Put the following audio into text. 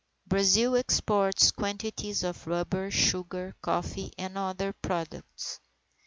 Brazil exports quantities of rubber, sugar, coffee, and other products.